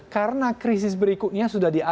karena krisis berikutnya sudah diadakan